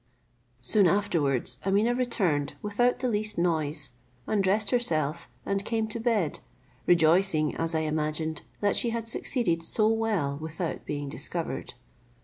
Soon afterwards Ameeneh returned without the least noise, undressed herself, and came to bed, rejoicing, as I imagined, that she had succeeded so well without being discovered.